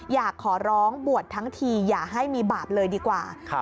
อยากขอร้องบวชทั้งทีอย่าให้มีบาปเลยดีกว่า